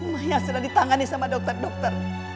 maya sudah ditangani sama dokter dokter